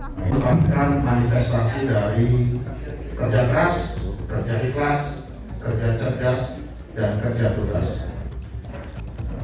saya ingin menguatkan manifestasi dari kerja keras kerja di kelas kerja cerdas dan kerja dolas